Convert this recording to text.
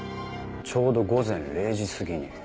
ちょうど午前０時すぎに。